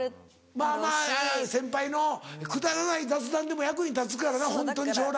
まぁまぁ先輩のくだらない雑談でも役に立つからなホントに将来。